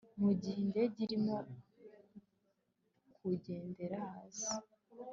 mu gihe indege irimo kugendera hasi